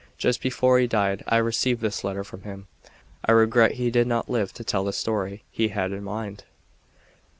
Just before he died I received this letter from him. I regret he did not live to tell the story he had in mind.